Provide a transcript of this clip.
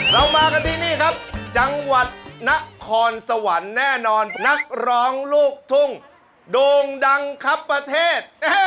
เรามากันที่นี่ครับจังหวัดนครสวรรค์แน่นอนนักร้องลูกทุ่งโด่งดังครับประเทศ